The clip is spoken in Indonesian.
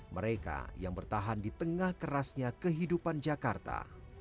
mereka yang bertahan di tengah kerasnya kehidupan jakarta